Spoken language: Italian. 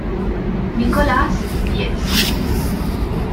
Nicolás Diez